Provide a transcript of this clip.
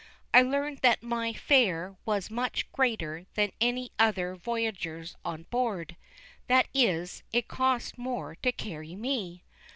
I learned that my fare was much greater than any other voyager's on board, that is, it cost more to carry me.